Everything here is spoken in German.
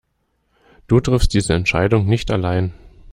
Du triffst diese Entscheidungen nicht allein.